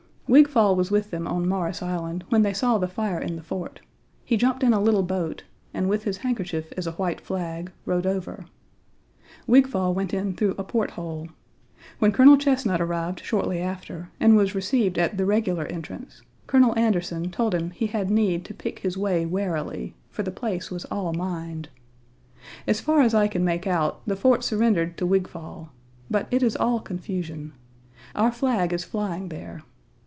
Wigfall was with them on Morris Island when they saw the fire in the fort; he jumped in a little boat, and with his handkerchief as a white flag, rowed over. Wigfall went in through a porthole. When Colonel Chesnut arrived shortly after, and was received at the regular entrance, Colonel Anderson told him he had need to pick his way warily, for the place was all mined. As far as I can make out the fort surrendered to Wigfall. But it is all confusion. Our flag is flying there.